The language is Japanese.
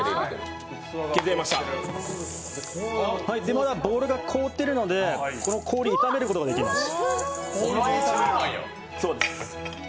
まだボウルが凍っているので、ここで炒めることができます。